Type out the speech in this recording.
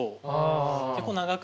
結構長くて。